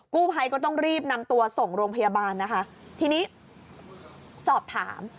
กู้ภัยก็ต้องรีบนำตัวส่งโรงพยาบาลนะคะทีนี้สอบถาม